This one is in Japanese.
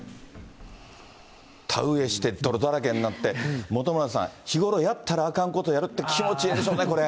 田植えして、泥だらけになって、本村さん、日頃やったらあかんことやるって気持ちええでしょうね、これ。